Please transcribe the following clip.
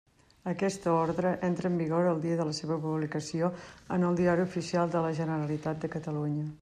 Aquesta Ordre entra en vigor el dia de la seva publicació en el Diari Oficial de la Generalitat de Catalunya.